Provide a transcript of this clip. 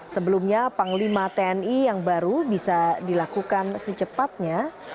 sebelumnya panglima tni yang baru bisa dilakukan secepatnya